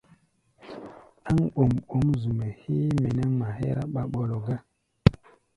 Ɗáŋ ɓɔm-ɓɔ́m zu-mɛ́ héé mɛ nɛ́ ŋma hɛ́rá ɓaɓɔlɔ gá.